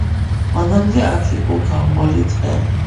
მანამდე აქ იყო გაუვალი ტყე.